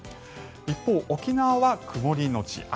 一方、沖縄は曇りのち雨。